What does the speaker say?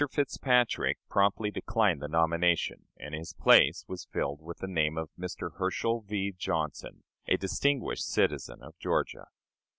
Fitzpatrick promptly declined the nomination, and his place was filled with the name of Mr. Herschel V. Johnson, a distinguished citizen of Georgia.